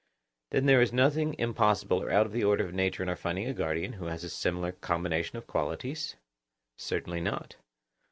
Then there is nothing impossible or out of the order of nature in our finding a guardian who has a similar combination of qualities? Certainly not.